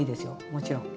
もちろん。